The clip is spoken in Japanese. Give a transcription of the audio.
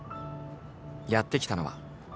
やって来たのは。